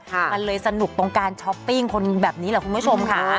หนังเลยสนุกตัวเึิ่งตามการช้อปปิ้งคนแบบนี้เหรอคุณผู้ชมค่ะ